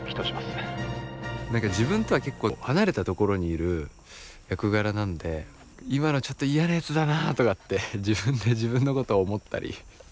何か自分とは結構離れたところにいる役柄なんで今のちょっと嫌なやつだなとかって自分で自分のことを思ったり。